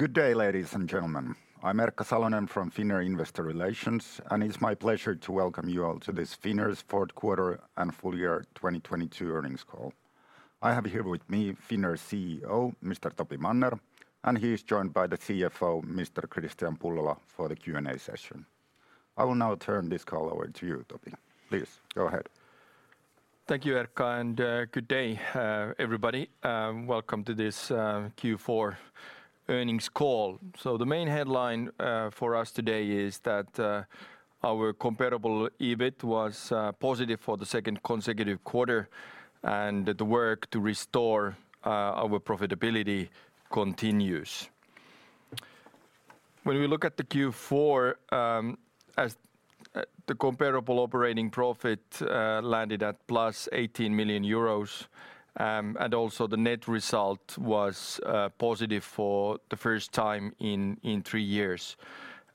Good day, ladies and gentlemen. I'm Erkka Salonen from Finnair Investor Relations, and it's my pleasure to welcome you all to this Finnair's fourth quarter and full year 2022 earnings call. I have here with me Finnair's CEO, Mr. Topi Manner, and he is joined by the CFO, Mr. Kristian Pullola, for the Q&A session. I will now turn this call over to you, Topi. Please go ahead. Thank you, Erkka, and good day, everybody. Welcome to this Q4 earnings call. The main headline for us today is that our comparable EBIT was positive for the second consecutive quarter and that the work to restore our profitability continues. When we look at the Q4, as the comparable operating profit landed at +18 million euros, and also the net result was positive for the first time in three years.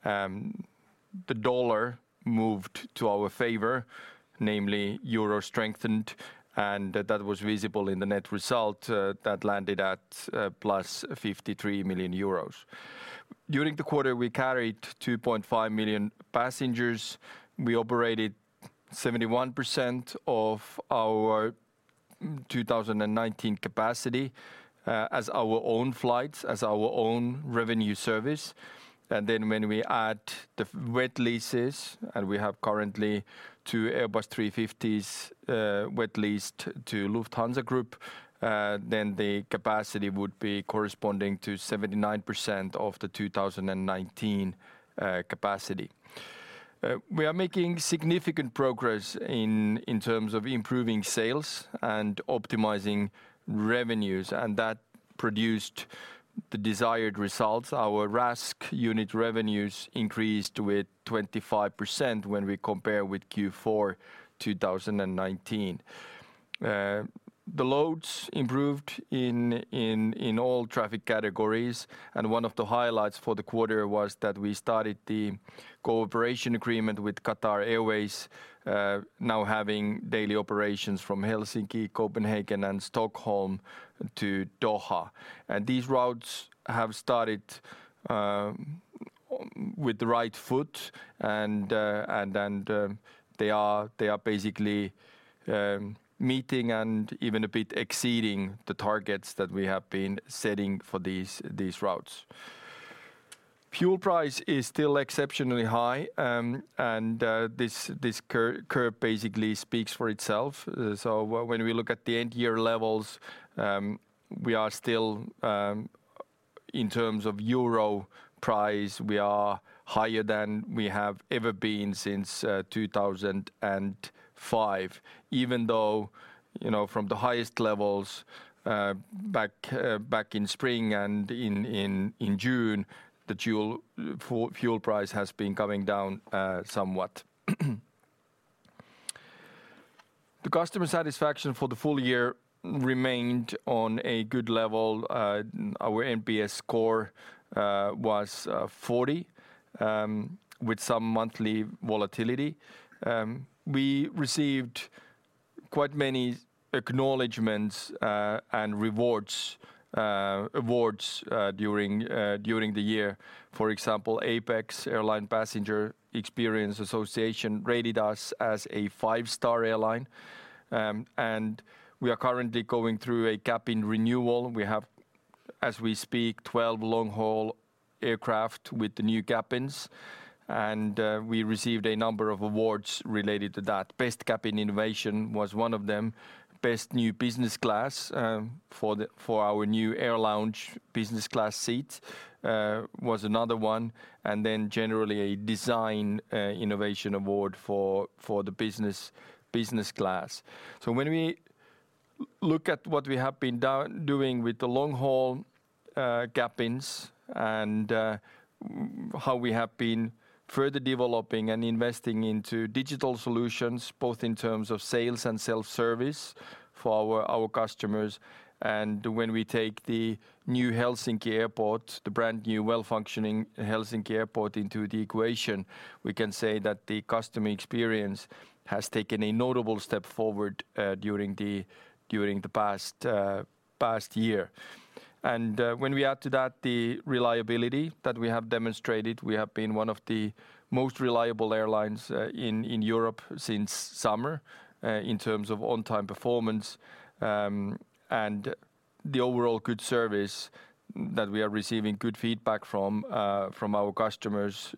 The dollar moved to our favor, namely euro strengthened, and that was visible in the net result that landed at +53 million euros. During the quarter, we carried 2.5 million passengers. We operated 71% of our 2019 capacity as our own flights, as our own revenue service. When we add the wet leases, and we have currently 2 Airbus A350s wet leased to Lufthansa Group, then the capacity would be corresponding to 79% of the 2019 capacity. We are making significant progress in terms of improving sales and optimizing revenues, and that produced the desired results. Our RASK unit revenues increased with 25% when we compare with Q4 2019. The loads improved in all traffic categories. One of the highlights for the quarter was that we started the cooperation agreement with Qatar Airways, now having daily operations from Helsinki, Copenhagen, and Stockholm to Doha. These routes have started with the right foot and they are basically meeting and even a bit exceeding the targets that we have been setting for these routes. Fuel price is still exceptionally high and this curve basically speaks for itself. When we look at the end year levels, we are still in terms of euro price, we are higher than we have ever been since 2005. Even though from the highest levels back in spring and in June, the fuel price has been coming down somewhat. The customer satisfaction for the full year remained on a good level. Our NPS score was 40 with some monthly volatility. We received quite many acknowledgments and awards during the year. For example, APEX Airline Passenger Experience Association rated us as a 5-star airline. We are currently going through a cabin renewal. We have, as we speak, 12 long-haul aircraft with the new cabins, and we received a number of awards related to that. Best Cabin Innovation was one of them. Best New Business Class for our new AirLounge business class seat was another one, generally a Design Innovation Award for the business class. When we look at what we have been doing with the long-haul cabins and how we have been further developing and investing into digital solutions, both in terms of sales and self-service for our customers. When we take the new Helsinki Airport, the brand new well-functioning Helsinki Airport into the equation, we can say that the customer experience has taken a notable step forward during the past year. When we add to that the reliability that we have demonstrated, we have been one of the most reliable airlines in Europe since summer, in terms of on-time performance, and the overall good service that we are receiving good feedback from our customers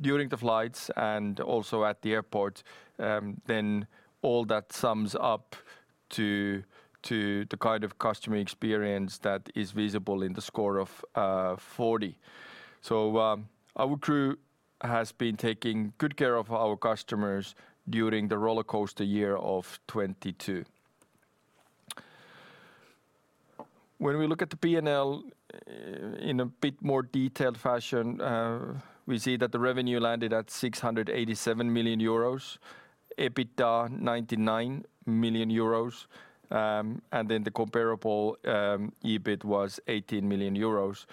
during the flights and also at the airport, then all that sums up to the kind of customer experience that is visible in the score of 40. Our crew has been taking good care of our customers during the rollercoaster year of 2022. When we look at the P&L in a bit more detailed fashion, we see that the revenue landed at 687 million euros, EBITDA 99 million euros, and then the comparable EBIT was 18 million euros.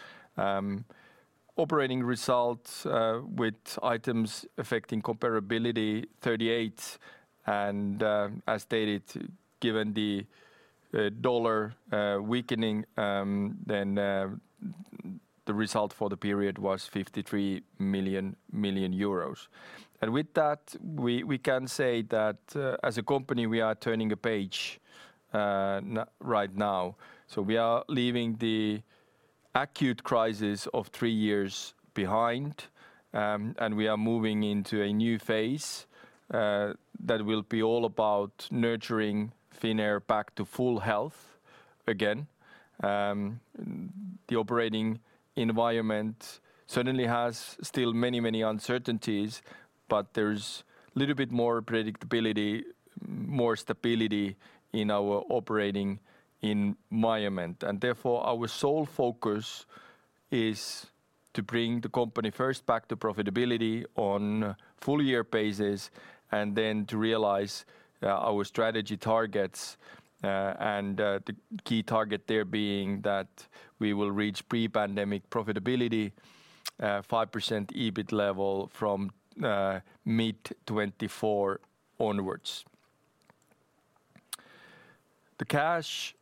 Operating results, with items affecting comparability 38 million. As stated, given the dollar weakening, then the result for the period was 53 million. With that, we can say that as a company, we are turning a page right now. We are leaving the acute crisis of three years behind, and we are moving into a new phase that will be all about nurturing Finnair back to full health again. The operating environment certainly has still many uncertainties, but there's little bit more predictability, more stability in our operating environment. Therefore, our sole focus is to bring the company first back to profitability on a full year basis, then to realize our strategy targets, and the key target there being that we will reach pre-pandemic profitability, 5% EBIT level from mid-2024 onwards. The cash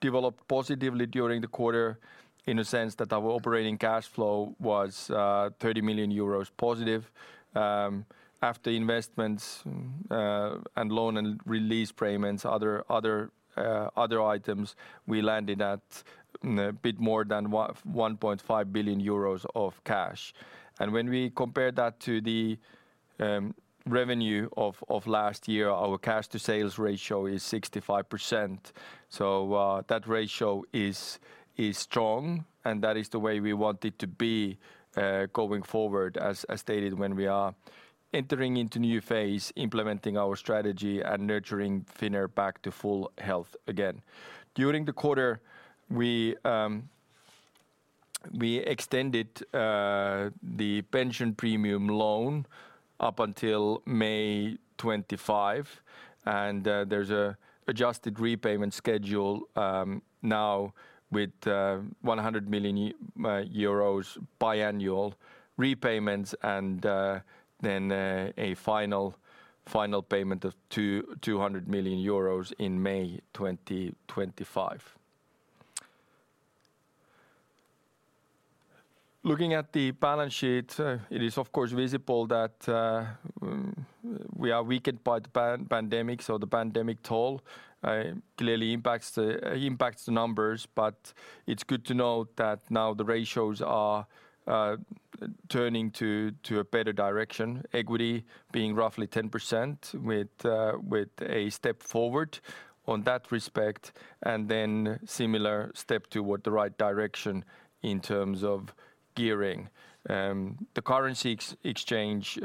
developed positively during the quarter in the sense that our operating cash flow was 30 million euros positive. After investments, and loan and release payments, other items, we landed at a bit more than 1.5 billion euros of cash. When we compare that to the revenue of last year, our cash to sales ratio is 65%. That ratio is strong, and that is the way we want it to be going forward, as stated, when we are entering into new phase, implementing our strategy and nurturing Finnair back to full health again. During the quarter, we extended the pension premium loan up until May 2025, there's an adjusted repayment schedule now with EUR 100 million biannual repayments, then a final payment of 200 million euros in May 2025. Looking at the balance sheet, it is of course visible that we are weakened by the pan-pandemic, the pandemic toll clearly impacts the numbers. It's good to note that now the ratios are turning to a better direction, equity being roughly 10% with a step forward on that respect, and then similar step toward the right direction in terms of gearing. The currency ex-exchange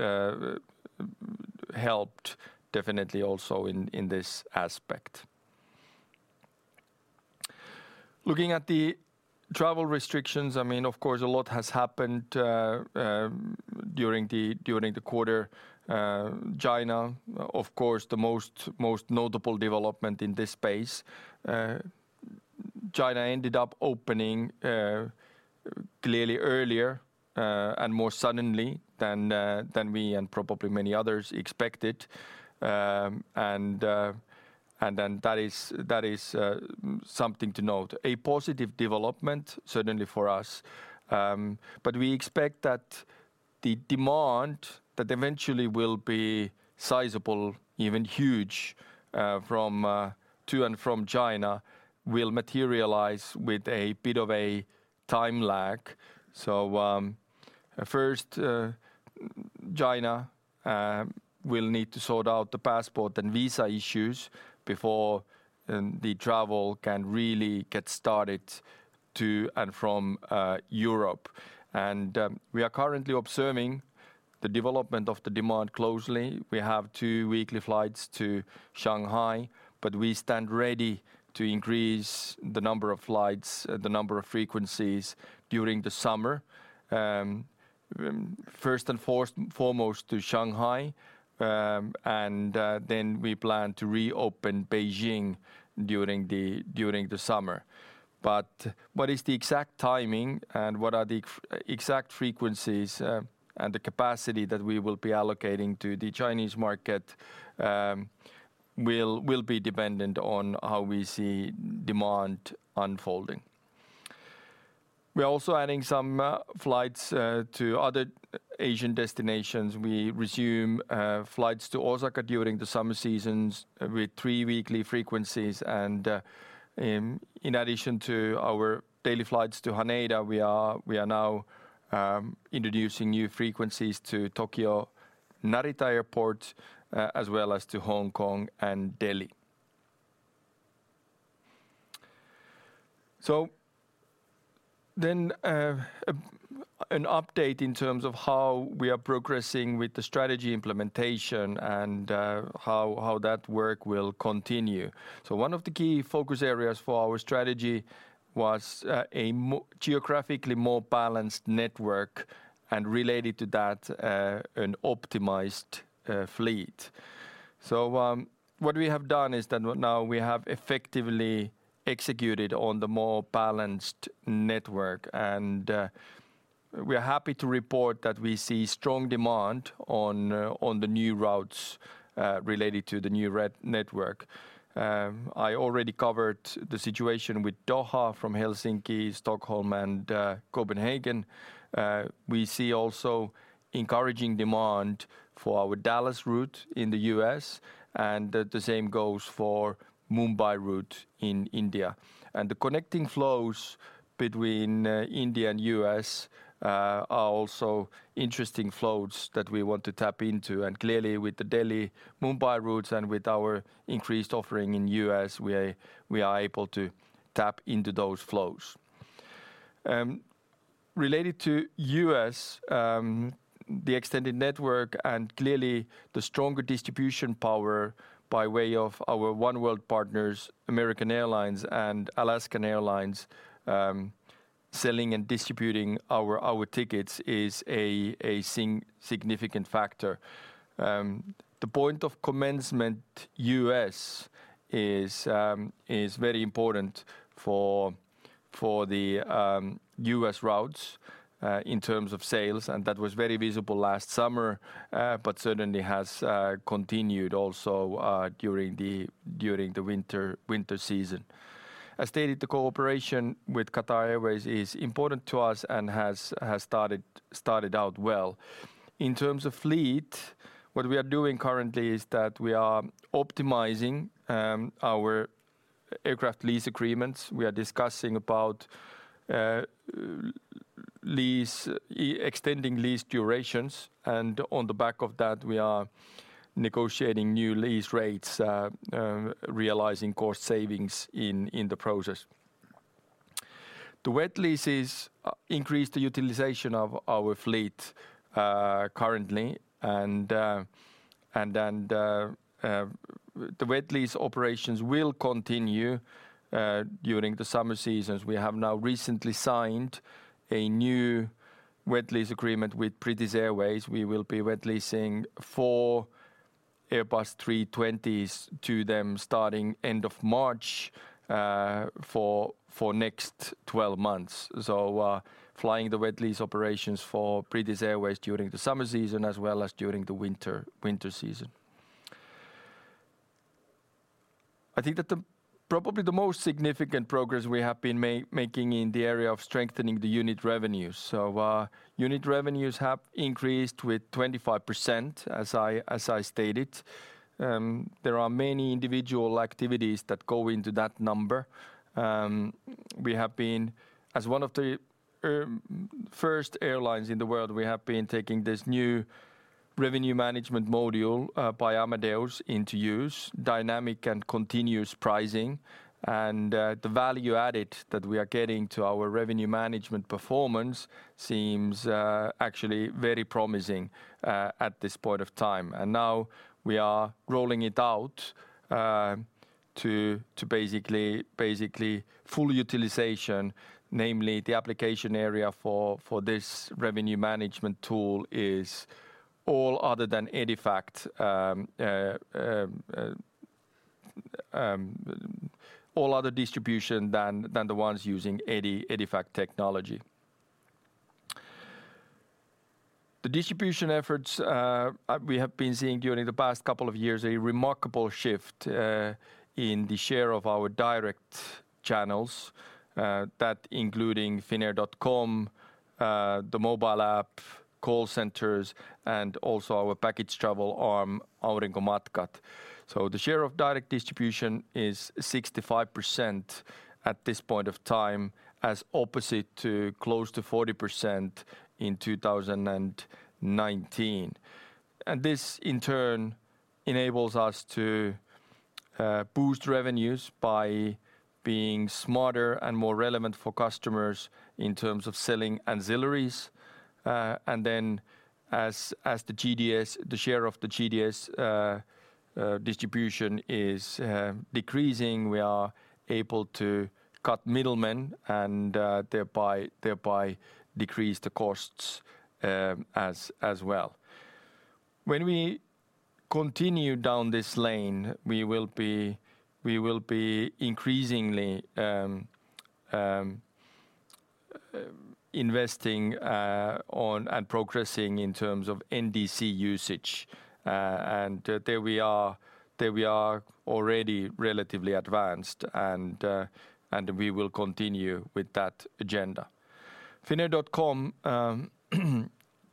helped definitely also in this aspect. Looking at the travel restrictions, I mean, of course, a lot has happened during the quarter. China, of course, the most notable development in this space. China ended up opening clearly earlier and more suddenly than we and probably many others expected. Then that is something to note. A positive development certainly for us, we expect that the demand that eventually will be sizable, even huge, from to and from China, will materialize with a bit of a time lag. First, China will need to sort out the passport and visa issues before the travel can really get started to and from Europe. We are currently observing the development of the demand closely. We have two weekly flights to Shanghai, but we stand ready to increase the number of flights, the number of frequencies during the summer. First and foremost to Shanghai, we plan to reopen Beijing during the summer. What is the exact timing and what are the exact frequencies and the capacity that we will be allocating to the Chinese market will be dependent on how we see demand unfolding. We are also adding some flights to other Asian destinations. We resume flights to Osaka during the summer seasons with three weekly frequencies. In addition to our daily flights to Haneda, we are now introducing new frequencies to Tokyo Narita Airport, as well as to Hong Kong and Delhi. An update in terms of how we are progressing with the strategy implementation and how that work will continue. One of the key focus areas for our strategy was a geographically more balanced network and related to that, an optimized fleet. What we have done is that now we have effectively executed on the more balanced network. We are happy to report that we see strong demand on the new routes related to the new network. I already covered the situation with Doha from Helsinki, Stockholm, and Copenhagen. We see also encouraging demand for our Dallas route in the U.S., and the same goes for Mumbai route in India. The connecting flows between India and U.S. are also interesting flows that we want to tap into. Clearly, with the Delhi-Mumbai routes and with our increased offering in U.S., we are able to tap into those flows. Related to U.S., the extended network and clearly the stronger distribution power by way of our oneworld partners, American Airlines and Alaska Airlines, selling and distributing our tickets is a significant factor. The point of commencement U.S. is very important for the U.S. routes in terms of sales, and that was very visible last summer, but certainly has continued also during the winter season. As stated, the cooperation with Qatar Airways is important to us and has started out well. In terms of fleet, what we are doing currently is that we are optimizing our aircraft lease agreements. We are discussing about extending lease durations, and on the back of that, we are negotiating new lease rates, realizing cost savings in the process. The wet leases increase the utilization of our fleet, currently and then the wet lease operations will continue during the summer seasons. We have now recently signed a new wet lease agreement with British Airways. We will be wet leasing 4 Airbus A320s to them starting end of March for next 12 months. Flying the wet lease operations for British Airways during the summer season as well as during the winter season. I think that probably the most significant progress we have been making in the area of strengthening the unit revenues. Unit revenues have increased with 25%, as I stated. There are many individual activities that go into that number. We have been, as one of the first airlines in the world, we have been taking this new revenue management module by Amadeus into use, dynamic and continuous pricing. The value added that we are getting to our revenue management performance seems actually very promising at this point of time. Now we are rolling it out to basically full utilization. Namely, the application area for this revenue management tool is all other than EDIFACT, all other distribution than the ones using EDIFACT technology. The distribution efforts, we have been seeing during the past couple of years a remarkable shift in the share of our direct channels, that including finnair.com, the mobile app, call centers, and also our package travel arm, Aurinkomatkat. The share of direct distribution is 65% at this point of time, as opposite to close to 40% in 2019. This in turn enables us to boost revenues by being smarter and more relevant for customers in terms of selling ancillaries. As the GDS, the share of the GDS distribution is decreasing, we are able to cut middlemen and thereby decrease the costs as well. When we continue down this lane, we will be increasingly investing on and progressing in terms of NDC usage. There we are already relatively advanced and we will continue with that agenda. finnair.com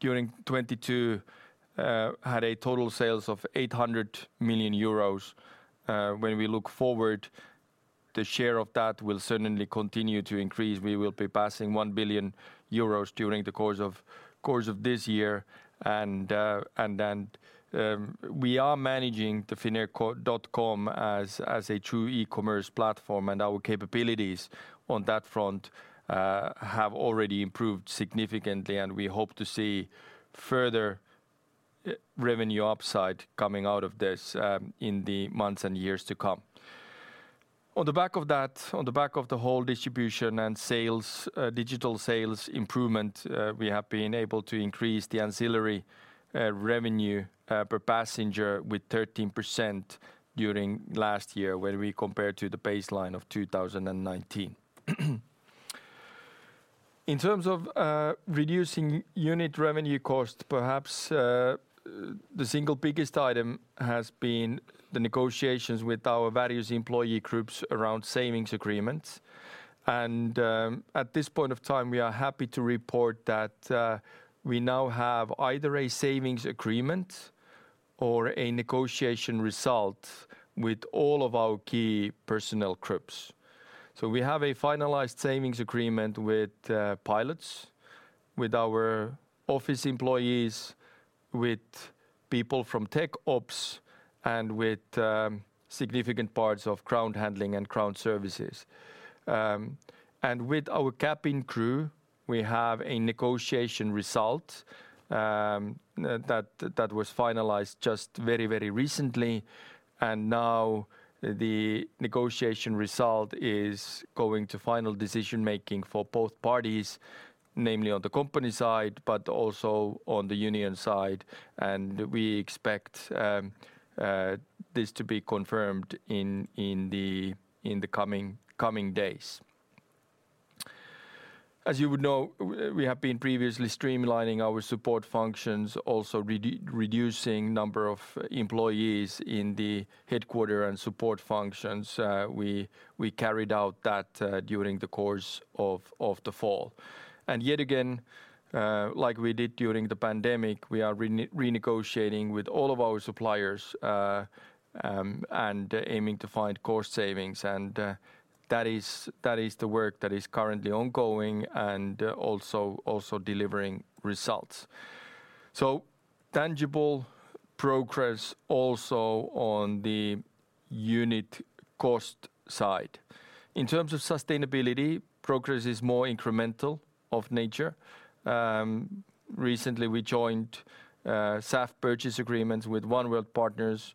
during 2022 had a total sales of 800 million euros. When we look forward, the share of that will certainly continue to increase. We will be passing 1 billion euros during the course of this year. We are managing the finnair.com as a true e-commerce platform, and our capabilities on that front have already improved significantly, and we hope to see further revenue upside coming out of this in the months and years to come. On the back of that, on the back of the whole distribution and sales digital sales improvement, we have been able to increase the ancillary revenue per passenger with 13% during last year when we compare to the baseline of 2019. In terms of reducing unit revenue cost, perhaps, the single biggest item has been the negotiations with our various employee groups around savings agreements. At this point of time, we are happy to report that we now have either a savings agreement or a negotiation result with all of our key personnel groups. We have a finalized savings agreement with pilots, with our office employees, with people from Tech Ops, and with significant parts of ground handling and ground services. With our cabin crew, we have a negotiation result that was finalized just very, very recently. Now the negotiation result is going to final decision-making for both parties, namely on the company side, but also on the union side. We expect this to be confirmed in the coming days. As you would know, we have been previously streamlining our support functions, also reducing number of employees in the headquarter and support functions. We carried out that during the course of the fall. Yet again, like we did during the pandemic, we are renegotiating with all of our suppliers and aiming to find cost savings. That is the work that is currently ongoing and also delivering results. Tangible progress also on the unit cost side. In terms of sustainability, progress is more incremental of nature. Recently we joined SAF purchase agreements with oneworld partners.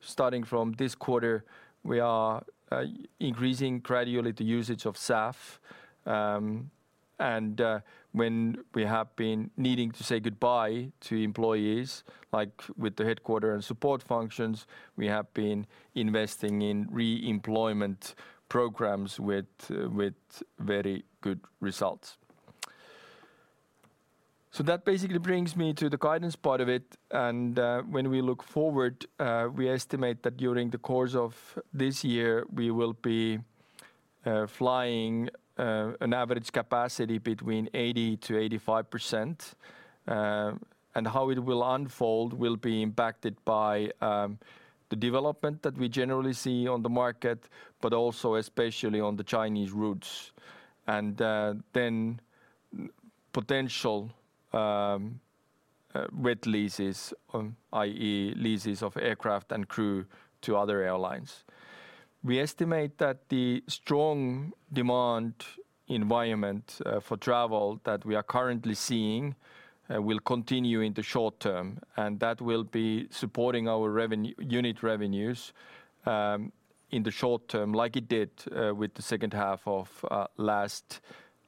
Starting from this quarter, we are increasing gradually the usage of SAF. When we have been needing to say goodbye to employees, like with the headquarter and support functions, we have been investing in re-employment programs with very good results. That basically brings me to the guidance part of it. When we look forward, we estimate that during the course of this year, we will be flying an average capacity between 80%-85%. How it will unfold will be impacted by the development that we generally see on the market, but also especially on the Chinese routes. Potential wet leases, i.e. leases of aircraft and crew to other airlines. We estimate that the strong demand environment for travel that we are currently seeing will continue in the short term, and that will be supporting our unit revenues in the short term, like it did with the second half of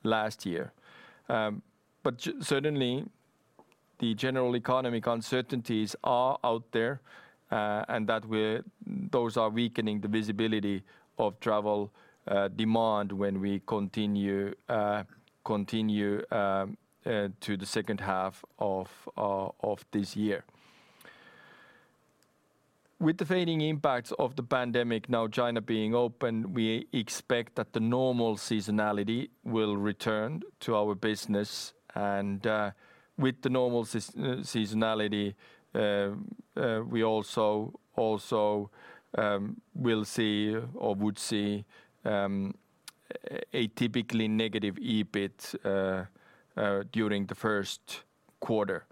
last year. Certainly the general economic uncertainties are out there, and those are weakening the visibility of travel demand when we continue to the second half of this year. With the fading impacts of the pandemic now China being open, we expect that the normal seasonality will return to our business. With the normal seasonality we also will see or would see a typically negative EBIT during the first quarter.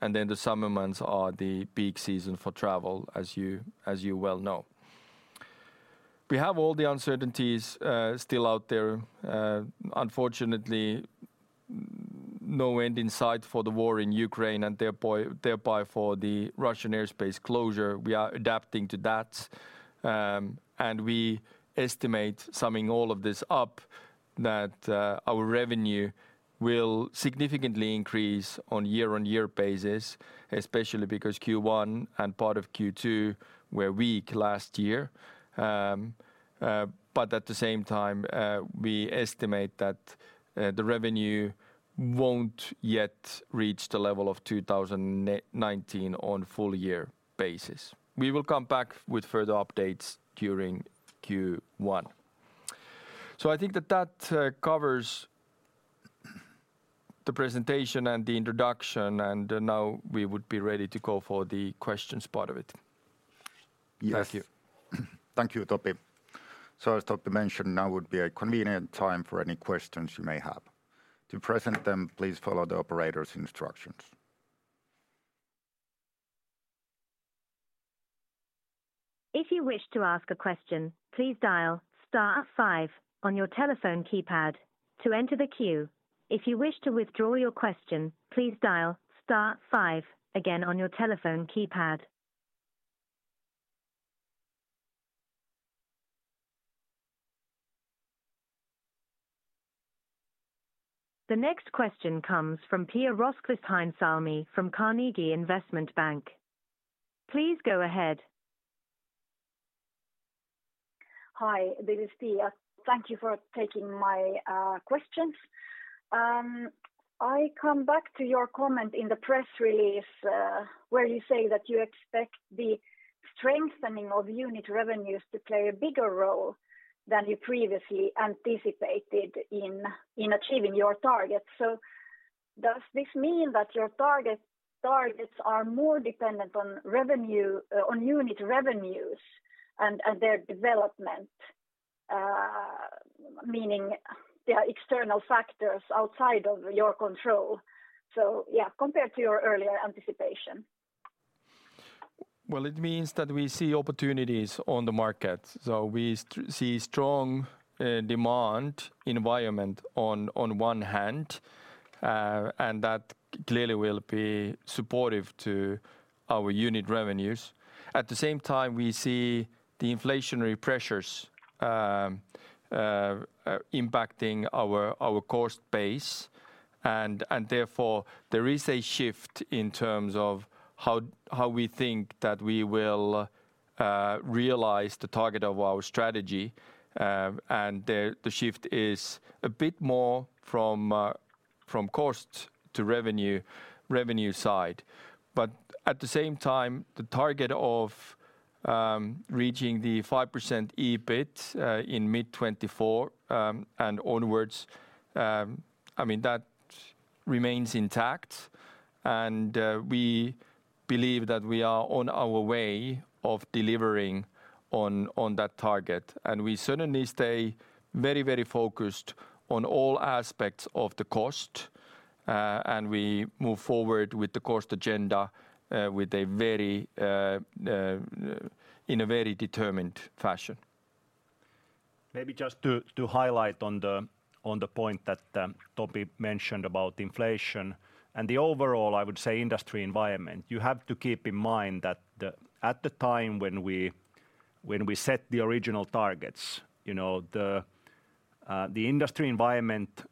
The summer months are the peak season for travel, as you well know. We have all the uncertainties still out there. Unfortunately, no end in sight for the war in Ukraine and thereby for the Russian airspace closure. We are adapting to that. We estimate summing all of this up, that our revenue will significantly increase on year-on-year basis, especially because Q1 and part of Q2 were weak last year. At the same time, we estimate that the revenue won't yet reach the level of 2019 on full year basis. We will come back with further updates during Q1. I think that covers the presentation and the introduction, and now we would be ready to go for the questions part of it. Yes. Thank you. Thank you, Topi. As Topi mentioned, now would be a convenient time for any questions you may have. To present them, please follow the operator's instructions. If you wish to ask a question, please dial Star 5 on your telephone keypad to enter the queue. If you wish to withdraw your question, please dial star 5 again on your telephone keypad. The next question comes from Pia Rosqvist-Heinsalmi from Carnegie Investment Bank. Please go ahead. Hi, this is Pia. Thank you for taking my questions. I come back to your comment in the press release, where you say that you expect the strengthening of unit revenues to play a bigger role than you previously anticipated in achieving your target. Does this mean that your targets are more dependent on revenue, on unit revenues and their development? Meaning there are external factors outside of your control. Yeah, compared to your earlier anticipation. Well, it means that we see opportunities on the market. We see strong demand environment on one hand, that clearly will be supportive to our unit revenues. At the same time, we see the inflationary pressures impacting our cost base, and therefore, there is a shift in terms of how we think that we will realize the target of our strategy. The shift is a bit more from cost to revenue side. At the same time, the target of reaching the 5% EBIT in mid 2024 and onwards, I mean, that remains intact. We believe that we are on our way of delivering on that target. we certainly stay very focused on all aspects of the cost, and we move forward with the cost agenda, in a very determined fashion. Maybe just to highlight on the point that Topi mentioned about inflation and the overall, I would say, industry environment. You have to keep in mind that at the time when we, when we set the original targets the industry environment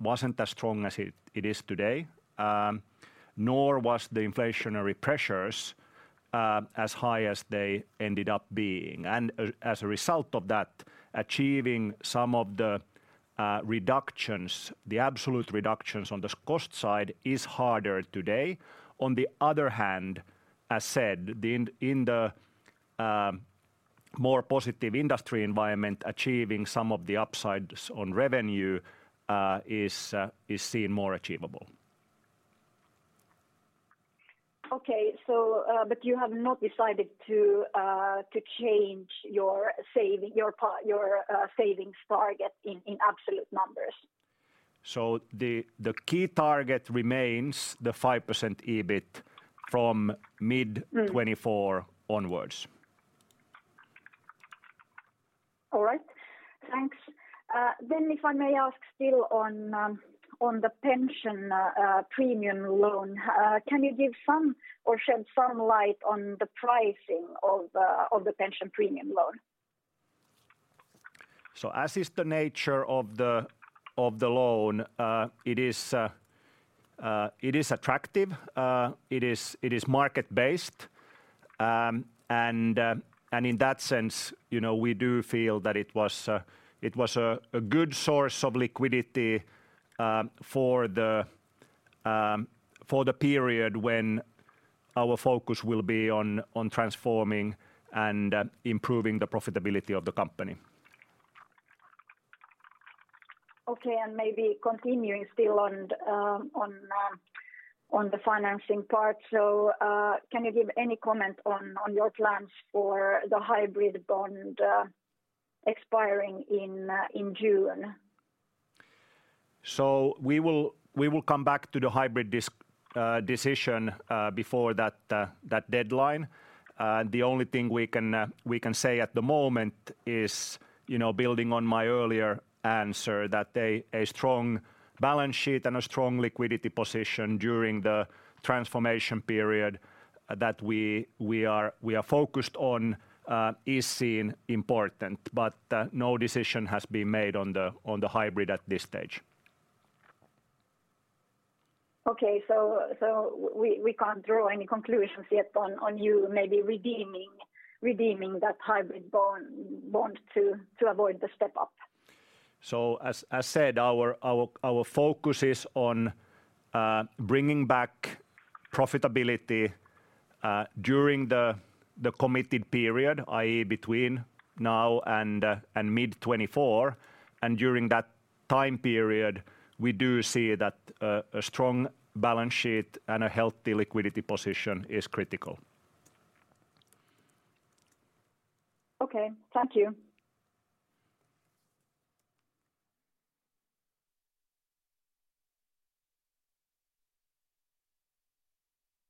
wasn't as strong as it is today, nor was the inflationary pressures as high as they ended up being. As a result of that, achieving some of the reductions, the absolute reductions on this cost side is harder today. On the other hand, as said, in the more positive industry environment, achieving some of the upsides on revenue is seen more achievable. Okay. You have not decided to change your saving, your savings target in absolute numbers? The key target remains the 5% EBIT from mid 2024 onwards. All right. Thanks. If I may ask still on the pension premium loan, can you give some or shed some light on the pricing of the pension premium loan? As is the nature of the loan, it is attractive, it is market-based. In that sense we do feel that it was a good source of liquidity, for the period when our focus will be on transforming and improving the profitability of the company. Okay, maybe continuing still on the financing part, can you give any comment on your plans for the hybrid bond expiring in June? We will come back to the hybrid decision before that deadline. The only thing we can say at the moment is building on my earlier answer, that a strong balance sheet and a strong liquidity position during the transformation period that we are focused on is seen important, but no decision has been made on the hybrid at this stage. Okay. We can't draw any conclusions yet on you maybe redeeming that hybrid bond to avoid the step up? As said, our focus is on bringing back profitability during the committed period, i.e., between now and mid 2024. During that time period, we do see that a strong balance sheet and a healthy liquidity position is critical. Okay. Thank you.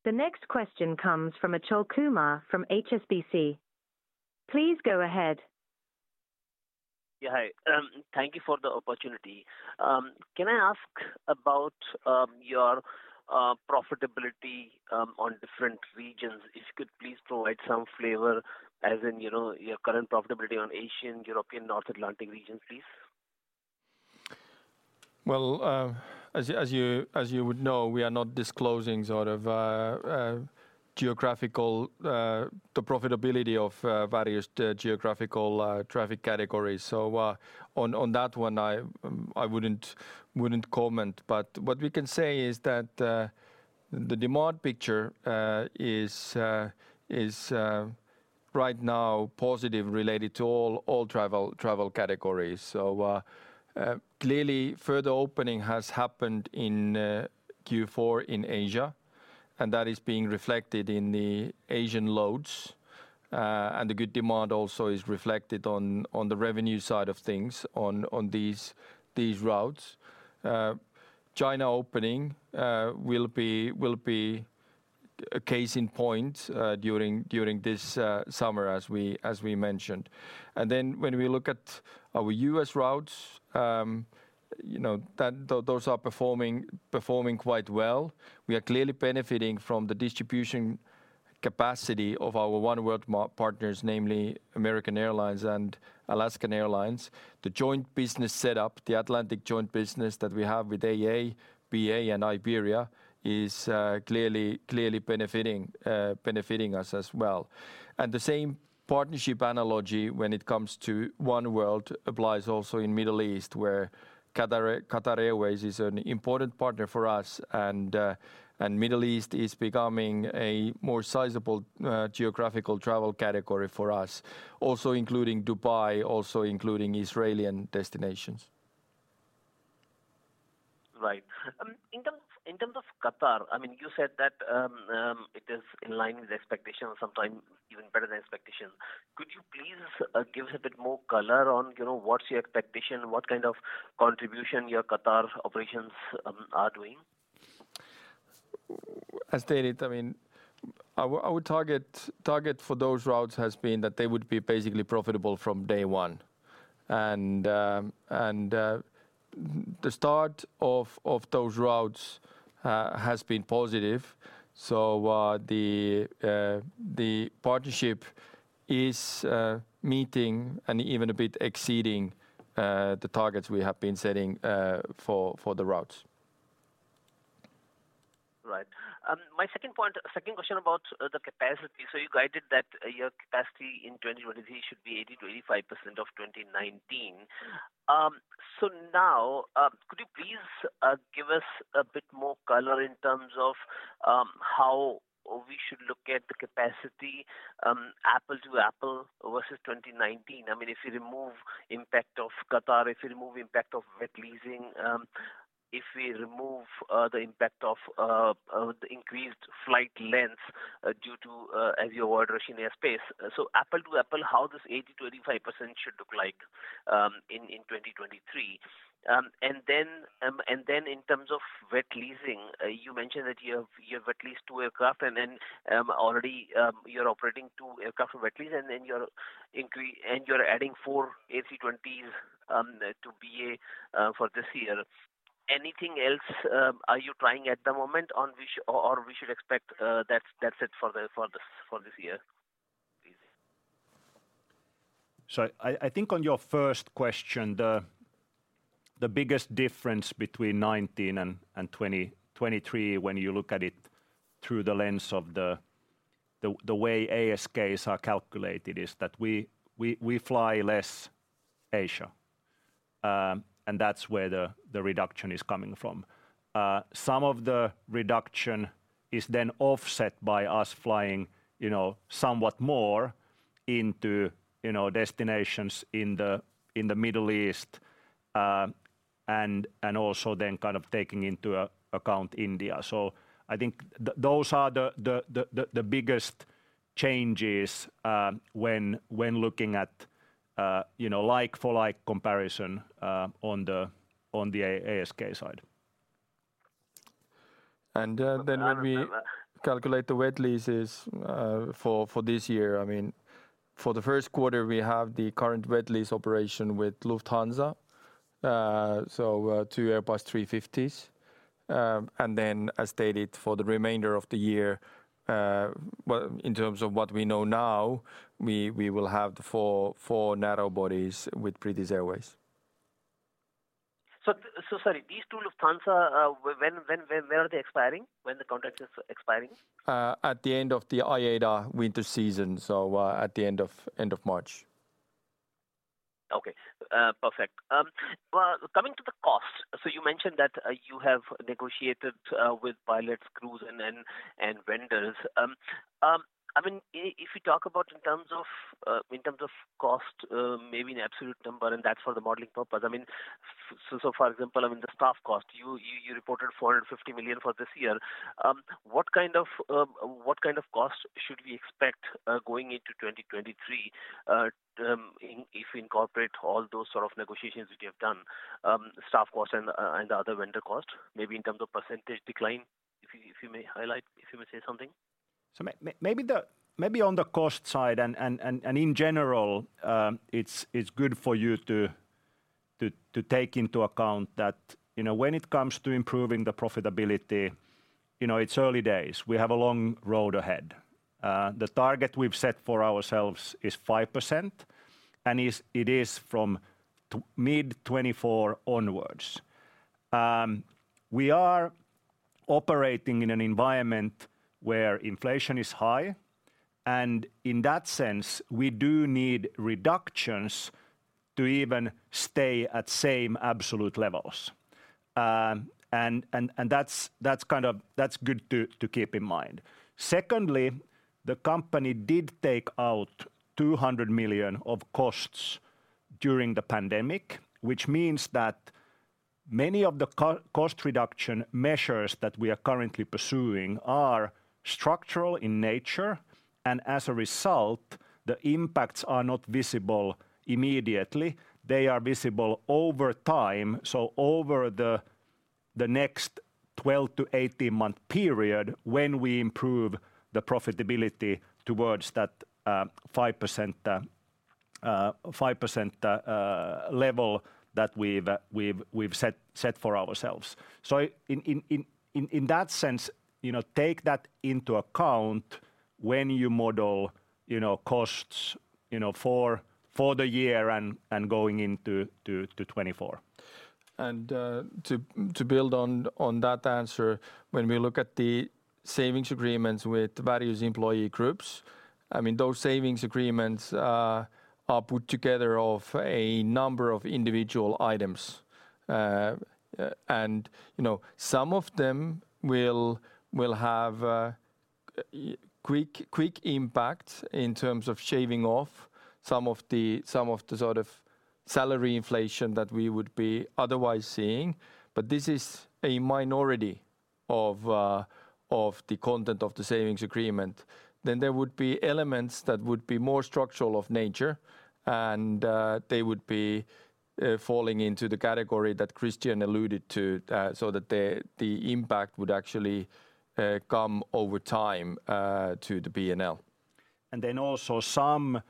The next question comes from Achal Kumar from HSBC. Please go ahead. Yeah, hi. Thank you for the opportunity. Can I ask about your profitability on different regions? If you could please provide some flavor as in your current profitability on Asian, European, North Atlantic regions, please. Well, as you would know, we are not disclosing sort of geographical the profitability of various geographical traffic categories. On that one, I wouldn't comment. What we can say is that the demand picture is right now positive related to all travel categories. Clearly further opening has happened in Q4 in Asia, and that is being reflected in the Asian loads. And the good demand also is reflected on the revenue side of things on these routes. China opening will be a case in point during this summer as we mentioned. When we look at our U.S. routes those are performing quite well. We are clearly benefiting from the distribution capacity of our oneworld partners, namely American Airlines and Alaska Airlines. The joint business set up, the Atlantic Joint Business that we have with AA, BA, and Iberia is clearly benefiting us as well. The same partnership analogy when it comes to oneworld applies also in Middle East, where Qatar Airways is an important partner for us. Middle East is becoming a more sizable geographical travel category for us also including Dubai, also including Israel and destinations. Right. In terms of Qatar, I mean, you said that it is in line with expectations, sometimes even better than expectations. Could you please give us a bit more color on what's your expectation? What kind of contribution your Qatar operations are doing? As stated, I mean, our target for those routes has been that they would be basically profitable from day one. The start of those routes has been positive. The partnership is meeting and even a bit exceeding the targets we have been setting for the routes. Right. My second point, second question about the capacity. You guided that your capacity in 2020 should be 80%-85% of 2019. Now, could you please give us a bit more color in terms of how we should look at the capacity, apple to apple versus 2019? I mean, if you remove impact of Qatar, if you remove impact of wet leasing, if we remove the impact of the increased flight lengths due to as you avoid Russian airspace. Apple to apple, how does 80%-85% should look like in 2023? In terms of wet leasing, you mentioned that you have at least two aircraft and then already, you're operating two aircraft for wet leasing and then you're adding four A320s to BA for this year. Anything else, are you trying at the moment or we should expect, that's it for this year, please? I think on your first question, the biggest difference between 19 and 2023 when you look at it through the lens of the way ASKs are calculated is that we fly less Asia, and that's where the reduction is coming from. Some of the reduction is then offset by us flying somewhat more into destinations in the Middle East, and also then kind of taking into account India. I think those are the biggest changes, when looking at like for like comparison, on the ASK side. When we calculate the wet leases, for this year, I mean, for the first quarter, we have the current wet lease operation with Lufthansa, so, 2 Airbus A350s. As stated for the remainder of the year, well, in terms of what we know now, we will have the 4 narrow bodies with British Airways. Sorry, these two Lufthansa, when were they expiring? When the contract is expiring? At the end of the IATA winter season. At the end of March. Okay. Perfect. Well, coming to the cost. You mentioned that you have negotiated with pilots, crews and vendors. I mean, if you talk about in terms of cost, maybe an absolute number, and that's for the modeling purpose. I mean, for example, I mean the staff cost, you reported 450 million for this year. What kind of cost should we expect going into 2023? If we incorporate all those sort of negotiations that you have done, staff costs and the other vendor costs, maybe in terms of % decline? If you may highlight, if you may say something. Maybe the, maybe on the cost side and in general, it's good for you to take into account that when it comes to improving the profitability it's early days. We have a long road ahead. The target we've set for ourselves is 5%, and it is from mid 2024 onwards. We are operating in an environment where inflation is high, and in that sense, we do need reductions to even stay at same absolute levels. And that's kind of, that's good to keep in mind. Secondly, the company did take out 200 million of costs during the pandemic, which means that many of the cost reduction measures that we are currently pursuing are structural in nature, and as a result, the impacts are not visible immediately. They are visible over time, so over the next 12 to 18-month period when we improve the profitability towards that, 5% level that we've set for ourselves. In that sense take that into account when you model costs for the year and going into 2024. To build on that answer, when we look at the savings agreements with various employee groups, I mean, those savings agreements are put together of a number of individual items. Some of them will have quick impact in terms of shaving off some of the, some of the sort of salary inflation that we would be otherwise seeing. This is a minority of the content of the savings agreement. There would be elements that would be more structural of nature and they would be falling into the category that ristian alluded to, so that the impact would actually come over time to the P&L. Also some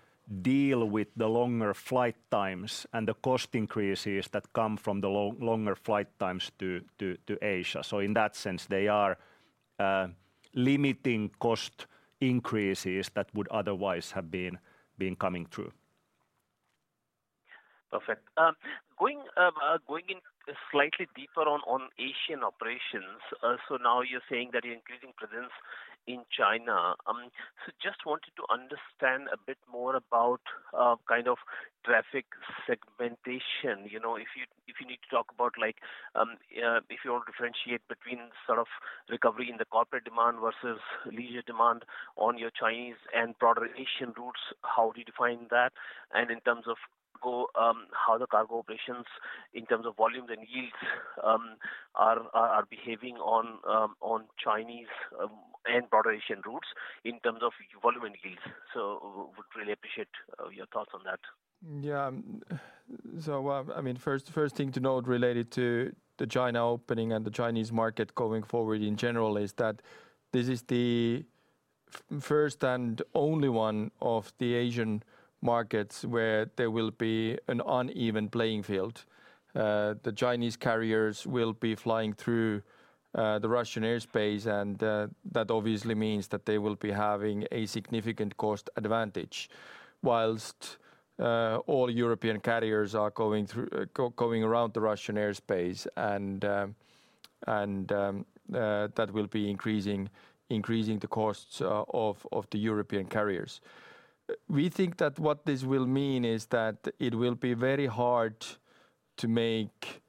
deal with the longer flight times and the cost increases that come from the longer flight times to Asia. In that sense, they are limiting cost increases that would otherwise have been coming through. Perfect. Going in slightly deeper on Asian operations. Now you're saying that you're increasing presence in China. Just wanted to understand a bit more about kind of traffic segmentation. If you, if you need to talk about like, if you want to differentiate between sort of recovery in the corporate demand versus leisure demand on your Chinese and broader Asian routes, how do you define that? And in terms of go, how the cargo operations in terms of volumes and yields, are behaving on Chinese and broader Asian routes in terms of volume and yields. Would really appreciate your thoughts on that. I mean, first thing to note related to the China opening and the Chinese market going forward in general is that this is the first and only one of the Asian markets where there will be an uneven playing field. The Chinese carriers will be flying through the Russian airspace, and that obviously means that they will be having a significant cost advantage whilst all European carriers are going through going around the Russian airspace and that will be increasing the costs of the European carriers. We think that what this will mean is that it will be very hard to make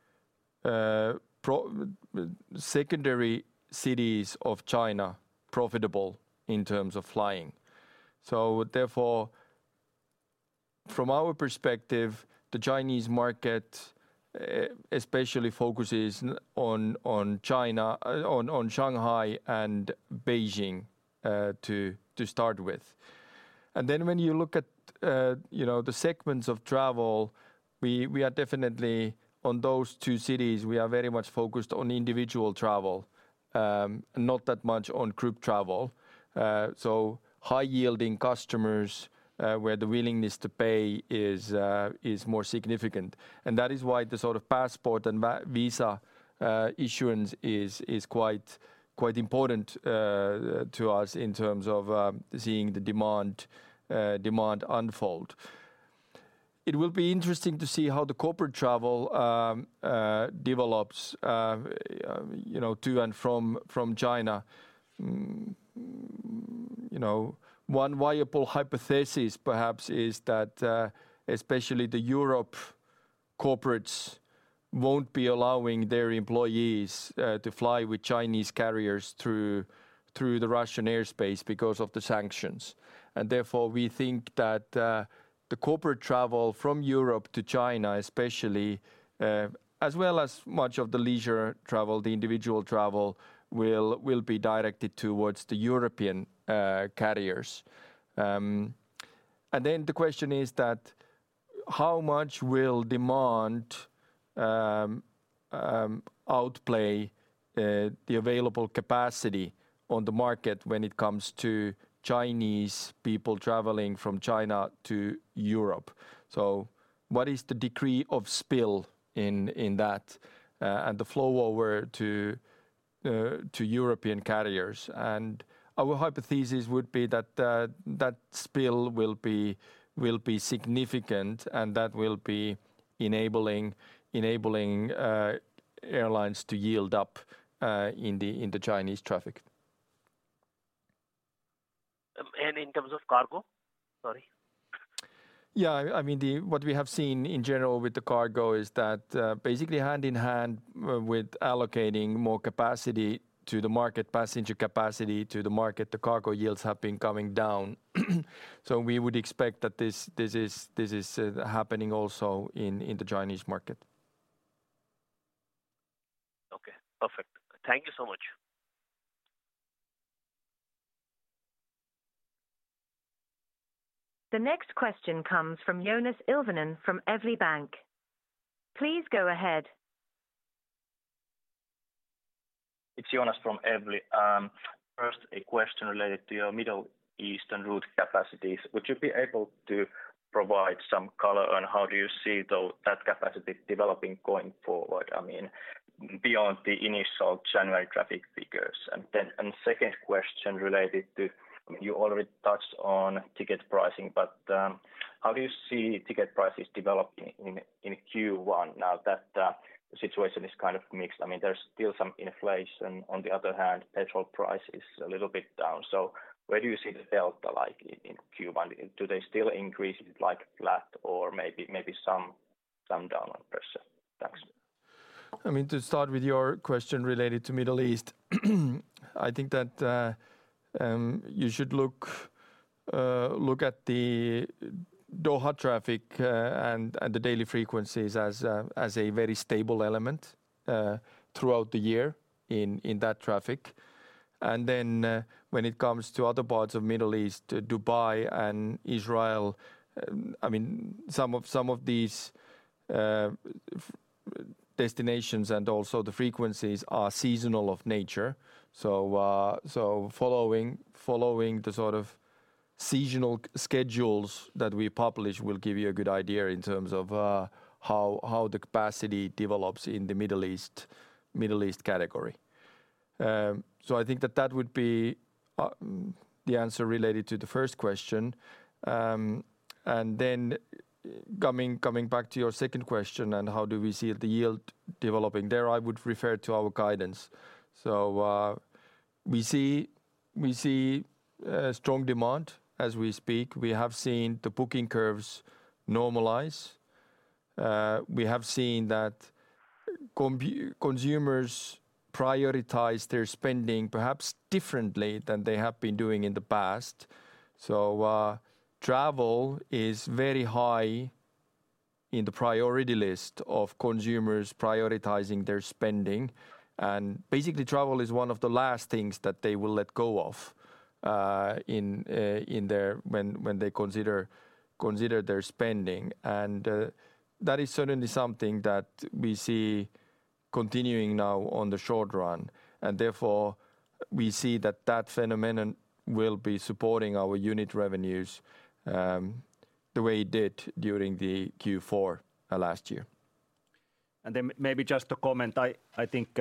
secondary cities of China profitable in terms of flying. Therefore, from our perspective, the Chinese market, especially focuses on China, on Shanghai and Beijing, to start with. When you look at the segments of travel, we are definitely on those two cities, we are very much focused on individual travel, not that much on group travel. So high-yielding customers, where the willingness to pay is more significant. That is why the sort of passport and visa issuance is quite important, to us in terms of seeing the demand unfold. It will be interesting to see how the corporate travel develops to and from China One viable hypothesis perhaps is that especially the Europe corporates won't be allowing their employees to fly with Chinese carriers through the Russian airspace because of the sanctions. Therefore, we think that the corporate travel from Europe to China especially, as well as much of the leisure travel, the individual travel will be directed towards the European carriers. Then the question is that how much will demand outplay the available capacity on the market when it comes to Chinese people traveling from China to Europe? What is the decree of spill in that and the flow over to European carriers? Our hypothesis would be that spill will be significant and that will be enabling airlines to yield up in the Chinese traffic. In terms of cargo? Sorry. Yeah. I mean, what we have seen in general with the cargo is that basically hand in hand with allocating more capacity to the market, passenger capacity to the market, the cargo yields have been coming down. We would expect that this is happening also in the Chinese market. Okay, perfect. Thank you so much. The next question comes from Joonas Ilvonen, from Evli Bank. Please go ahead. It's Joonas from Evli. First, a question related to your Middle Eastern route capacities. Would you be able to provide some color on how do you see that capacity developing going forward? I mean, beyond the initial January traffic figures. Second question related to, I mean, you already touched on ticket pricing, but how do you see ticket prices developing in Q1 now that the situation is kind of mixed? I mean, there's still some inflation. On the other hand, petrol price is a little bit down. Where do you see the delta like in Q1? Do they still increase it like flat or maybe some down on %? Thanks. I mean, to start with your question related to Middle East. I think that you should look at the Doha traffic and the daily frequencies as a very stable element throughout the year in that traffic. When it comes to other parts of Middle East, Dubai and Israel, I mean some of these destinations and also the frequencies are seasonal of nature. Following the sort of seasonal schedules that we publish will give you a good idea in terms of how the capacity develops in the Middle East category. I think that that would be the answer related to the first question. Coming back to your second question and how do we see the yield developing? There I would refer to our guidance. We see strong demand as we speak. We have seen the booking curves normalize. We have seen that consumers prioritize their spending perhaps differently than they have been doing in the past. Travel is very high in the priority list of consumers prioritizing their spending. Basically, travel is one of the last things that they will let go of in their when they consider their spending. That is certainly something that we see continuing now on the short run. Therefore we see that that phenomenon will be supporting our unit revenues the way it did during the Q4 last year. Maybe just to comment. I think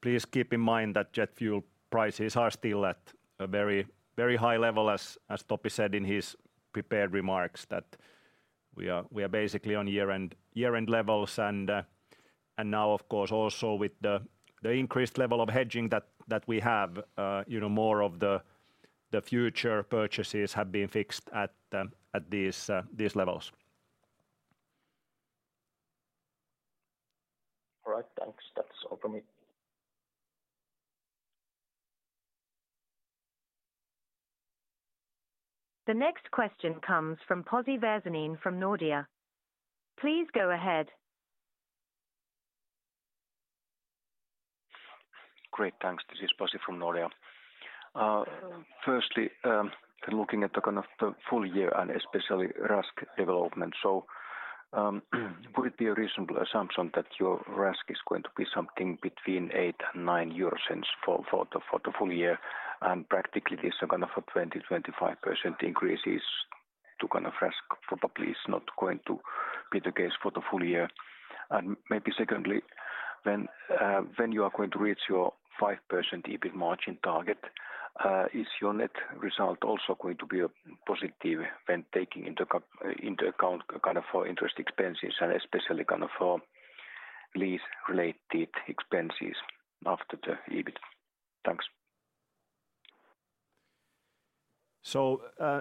please keep in mind that jet fuel prices are still at a very, very high level as Topi said in his prepared remarks that we are basically on year-end levels. Now of course, also with the increased level of hedging that we have more of the future purchases have been fixed at these levels. All right. Thanks. That's all from me. The next question comes from Pasi Väisänen from Nordea. Please go ahead. Great, thanks. This is Pasi from Nordea. Firstly, looking at the kind of the full year and especially RASK development. Would it be a reasonable assumption that your RASK is going to be something between 0.08 and 0.09 for the full year, and practically this kind of a 20-25% increase is to kind of RASK probably is not going to be the case for the full year? Maybe secondly, when you are going to reach your 5% EBIT margin target, is your net result also going to be a positive when taking into account kind of for interest expenses and especially kind of for lease-related expenses after the EBIT? Thanks.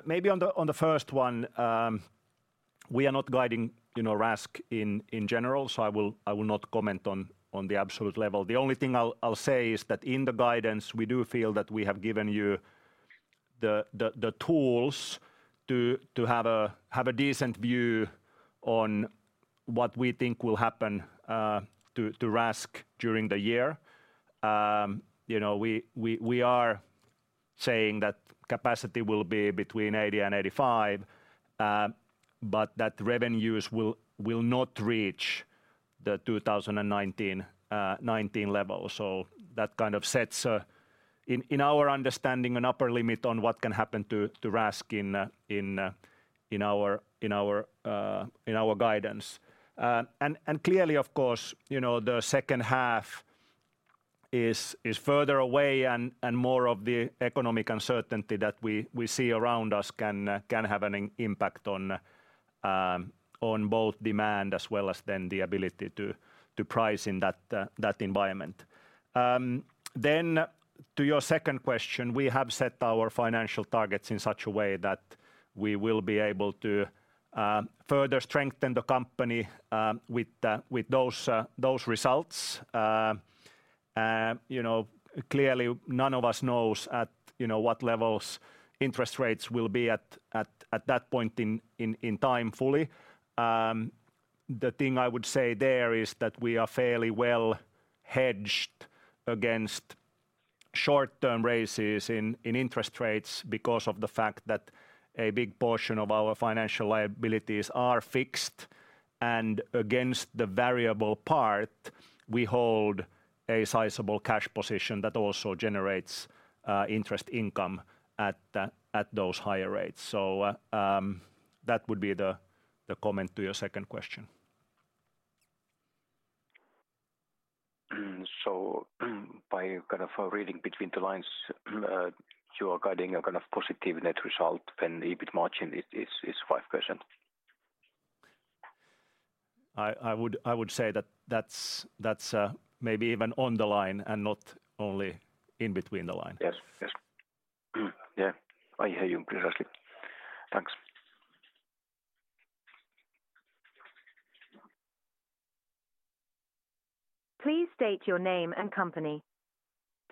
Maybe on the first one, we are not guiding RASK in general. I will not comment on the absolute level. The only thing I'll say is that in the guidance, we do feel that we have given you the tools to have a decent view on what we think will happen to RASK during the year we are saying that capacity will be between 80% and 85%, but that revenues will not reach the 2019 level. That kind of sets in our understanding an upper limit on what can happen to RASK in our guidance. Clearly, of course the second half is further away and more of the economic uncertainty that we see around us can have an impact on both demand as well as then the ability to price in that environment. To your second question, we have set our financial targets in such a way that we will be able to further strengthen the company with the with those those results., clearly none of us knows at what levels interest rates will be at that point in time fully. The thing I would say there is that we are fairly well hedged against short-term raises in interest rates because of the fact that a big portion of our financial liabilities are fixed, and against the variable part, we hold a sizable cash position that also generates interest income at the, at those higher rates. That would be the comment to your second question. By kind of reading between the lines, you are guiding a kind of positive net result when EBIT margin is 5%. I would say that that's maybe even on the line and not only in between the line. Yes. Yes. Yeah. I hear you clearly. Thanks. Please state your name and company.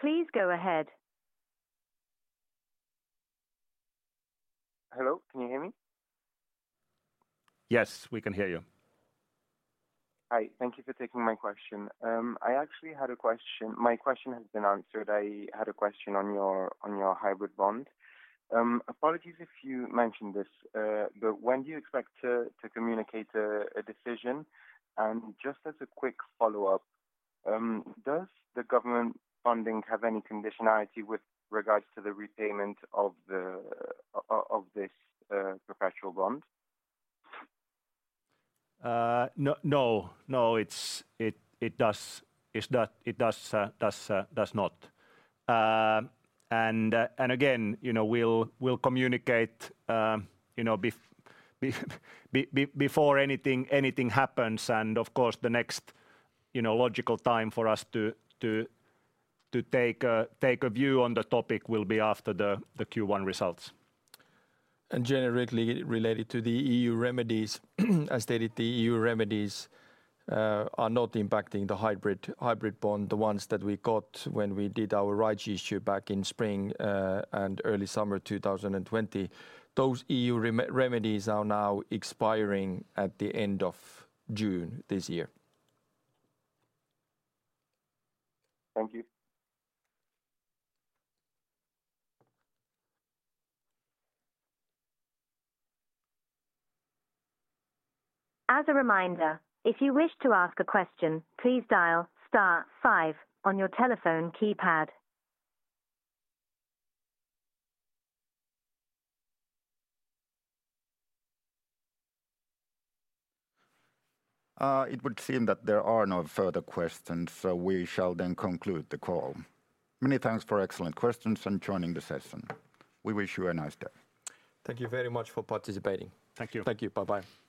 Please go ahead. Hello. Can you hear me? Yes, we can hear you. Hi. Thank you for taking my question. I actually had a question. My question has been answered. I had a question on your hybrid bond. Apologies if you mentioned this, but when do you expect to communicate a decision? Just as a quick follow-up, does the government funding have any conditionality with regards to the repayment of this perpetual bond? No, it does not. again we'll communicate before anything happens. Of course, the next logical time for us to take a view on the topic will be after the Q1 results. Generally related to the EU remedies, as stated, the EU remedies are not impacting the hybrid bond, the ones that we got when we did our rights issue back in spring and early summer 2020. Those EU remedies are now expiring at the end of June this year. Thank you. As a reminder, if you wish to ask a question, please dial star 5 on your telephone keypad. It would seem that there are no further questions, so we shall then conclude the call. Many thanks for excellent questions and joining the session. We wish you a nice day. Thank you very much for participating. Thank you. Thank you. Bye-bye.